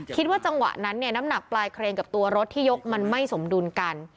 จังหวะนั้นเนี่ยน้ำหนักปลายเครนกับตัวรถที่ยกมันไม่สมดุลกัน